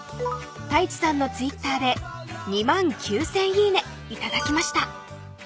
［太一さんのＴｗｉｔｔｅｒで２万９，０００いいね頂きました］